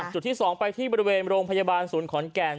จุดที่๒ไปที่บริเวณโรงพยาบาลศูนย์ขอนแก่น